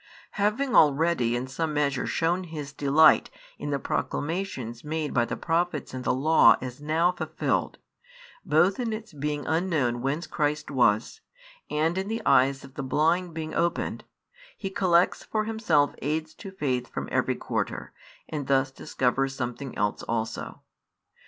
Having already in some measure shewn his delight in the proclamations made by the Prophets and the Law as now fulfilled, both in its being unknown whence Christ was, and in the eyes of the blind being opened, he collects for himself aids to faith from every quarter, and thus discovers something else also.